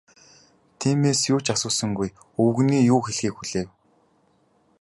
Тиймээс юу ч асуусангүй, өвгөний юу хэлэхийг хүлээв.